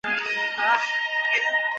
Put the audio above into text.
卡曼加尔即造弓或造武器的人。